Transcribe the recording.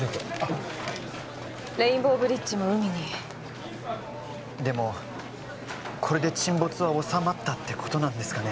レインボーブリッジも海にでもこれで沈没は収まったってことなんですかね